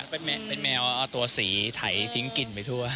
เป็นแมวเอาตัวสีไถทิ้งกลิ่นไปทั่ว